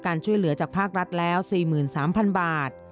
การช่วยเหลือจากภาครัฐแล้ว๔๓๐๐๐บาท